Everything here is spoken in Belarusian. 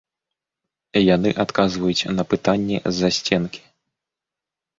Яны адказваюць на пытанні з-за сценкі.